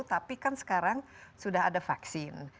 tapi kan sekarang sudah ada vaksin